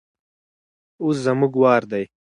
اوس زموږ وار دی.